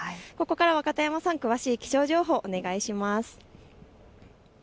ここからは片山さん、詳しい気象情報をお願いします。